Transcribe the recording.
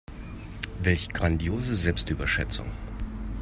Welch grandiose Selbstüberschätzung.